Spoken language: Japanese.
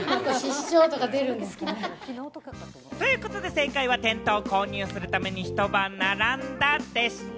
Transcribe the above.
正解はテントを購入するためにひと晩並んだでした。